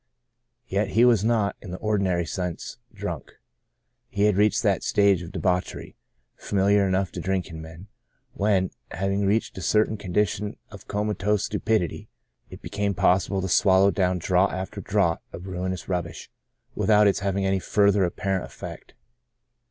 Yet he was not, in the ordinary sense, drunk. He had reached that stage of debauchery, fa miliar enough to drinking men, when, having reached a certain condition of comatose stu pidity, it became possible to swallow down draught after draught of ruinous rubbish, without its having any further apparent effect.